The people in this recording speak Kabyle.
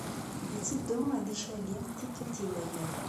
Itteddu ad icali tikkelt i wayyur.